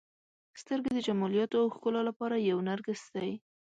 • سترګې د جمالیاتو او ښکلا لپاره یو نرګس دی.